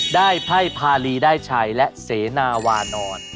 ได้ไพรด้ายชัยและเสนาวานอน